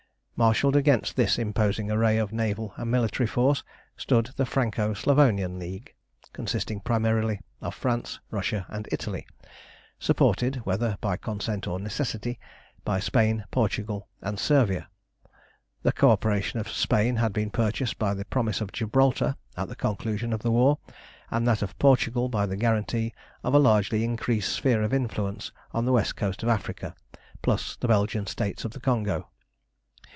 Marshalled against this imposing array of naval and military force stood the Franco Slavonian League, consisting primarily of France, Russia, and Italy, supported whether by consent or necessity by Spain, Portugal, and Servia. The co operation of Spain had been purchased by the promise of Gibraltar at the conclusion of the war, and that of Portugal by the guarantee of a largely increased sphere of influence on the West Coast of Africa, plus the Belgian States of the Congo.